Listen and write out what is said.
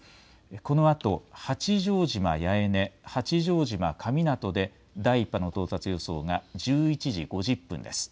このあと八丈島八重根、八丈島神湊で第１波の到達予想が１１時５０分です。